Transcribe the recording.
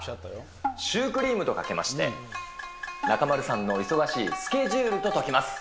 シュークリームとかけまして、中丸さんの忙しいスケジュールと解きます。